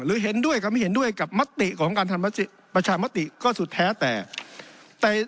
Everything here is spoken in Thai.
เห็นด้วยกับไม่เห็นด้วยกับมติของการทำประชามติก็สุดแท้แต่แต่